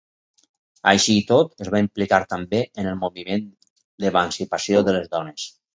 Així i tot, es va implicar també en el moviment d'emancipació de les dones.